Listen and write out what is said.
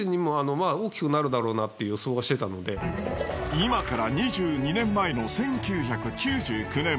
今から２２年前の１９９９年。